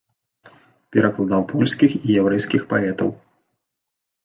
Перакладаў польскіх і яўрэйскіх паэтаў.